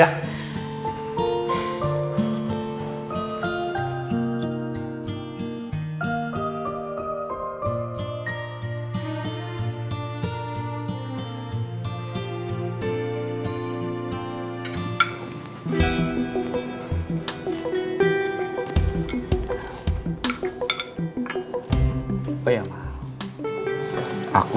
udah ke kamar dulu